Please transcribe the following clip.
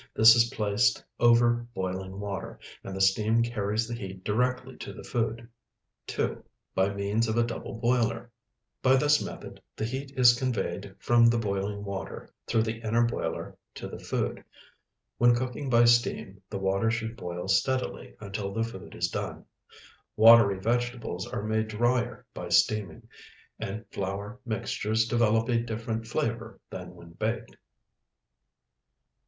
This is placed over boiling water, and the steam carries the heat directly to the food. (2) By means of a double boiler. By this method the heat is conveyed from the boiling water, through the inner boiler to the food. When cooking by steam, the water should boil steadily until the food is done. Watery vegetables are made drier by steaming, and flour mixtures develop a different flavor than when baked.